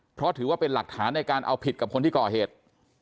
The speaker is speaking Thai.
เพราะถือว่าเป็นหลักฐานในการเอาผิดกับคนที่ก่อเหตุ